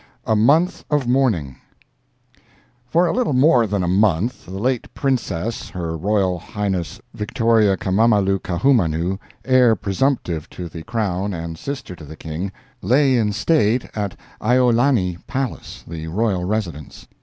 A MONTH OF MOURNING For a little more than a month, the late Princess—her Royal Highness Victoria Kamamalu Kaahumanu, heir presumptive to the crown and sister to the King—lay in state at Iolani Palace, the royal residence.